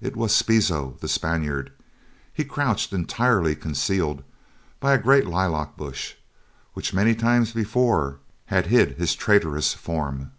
It was Spizo, the Spaniard. He crouched entirely concealed by a great lilac bush, which many times before had hid his traitorous form.